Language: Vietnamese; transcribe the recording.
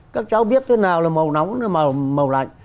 các cháu biết thế nào là màu nóng màu lạnh